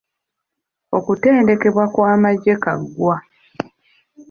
Okutendekebwa kw'amagye kaggwa.